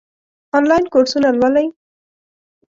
آنلاین کورسونه لولئ؟